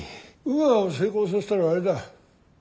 ウーアを成功させたらあれだ。